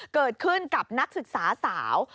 เกิดขึ้นกับนักศึกษาสาว